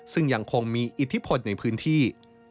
ซึ่งยังคงมีอิทธิพลในพื้นที่